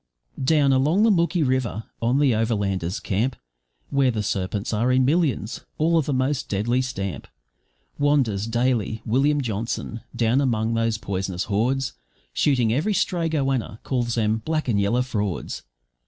..... Down along the Mooki River, on the overlanders' camp, Where the serpents are in millions, all of the most deadly stamp, Wanders, daily, William Johnson, down among those poisonous hordes, Shooting every stray goanna, calls them `black and yaller frauds'.